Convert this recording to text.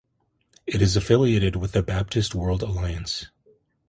It is affiliated with the Baptist World Alliance.